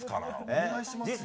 お願いしますよ。